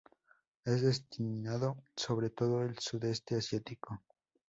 Es destinado sobre todo al Sudeste Asiático.